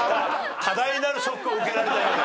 多大なるショックを受けられたようで。